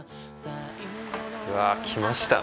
うわ来ました。